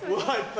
はい！